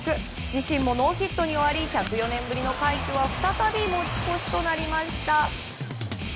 自身もノーヒットに終わり１０４年ぶりの快挙は再び持ち越しとなりました。